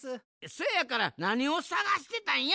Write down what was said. そやからなにをさがしてたんや？